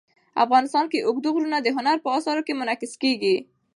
افغانستان کې اوږده غرونه د هنر په اثار کې منعکس کېږي.